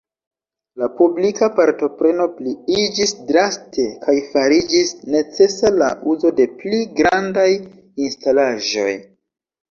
La publika partopreno pliiĝis draste kaj fariĝis necesa la uzo de pli grandaj instalaĵoj.